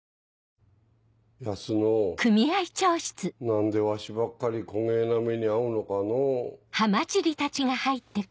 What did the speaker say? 何でわしばっかりこねぇな目に遭うのかのう。